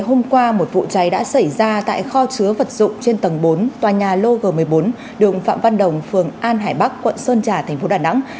hôm qua một vụ cháy đã xảy ra tại kho chứa vật dụng trên tầng bốn tòa nhà lô một mươi bốn đường phạm văn đồng phường an hải bắc quận sơn trà thành phố đà nẵng